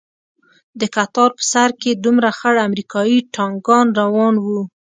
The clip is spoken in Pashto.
د کتار په سر کښې دوه خړ امريکايي ټانکان روان وو.